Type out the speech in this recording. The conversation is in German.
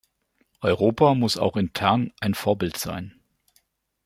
Europa muss auch intern ein Vorbild sein.